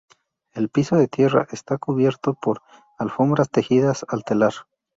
El piso -de tierra- está cubierto por alfombras tejidas al telar.